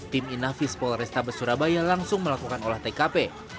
tim inafis polrestabes surabaya langsung melakukan olah tkp